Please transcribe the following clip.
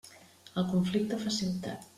El conflicte fa ciutat.